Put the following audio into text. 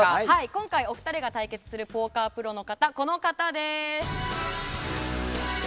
今回お二人が対決するポーカープロの方、この方です。